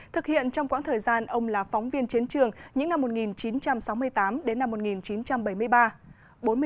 thực hiện trong quãng thời gian ông là phóng viên chiến trường những năm một nghìn chín trăm sáu mươi tám đến năm một nghìn chín trăm bảy mươi ba